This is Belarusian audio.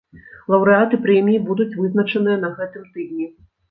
Лаўрэаты прэміі будуць вызначаныя на гэтым тыдні.